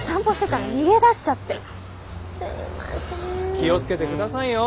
気を付けてくださいよ。